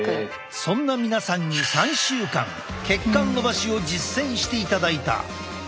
そんな皆さんに３週間血管のばしを実践していただいた。